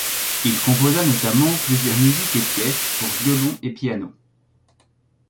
Il composa notamment plusieurs musiques et pièces pour violon et piano.